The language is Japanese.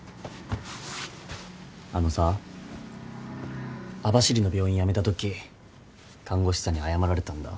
あのさ網走の病院辞めたとき看護師さんに謝られたんだ。